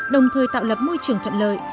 đồng thời tạo lập môi trường thuận lợi